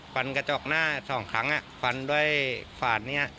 กระจกหน้าสองครั้งฟันด้วยฝาดนี้